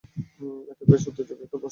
এটা বেশ উত্তেজক একটা প্রশ্ন বটে, বন্ধু!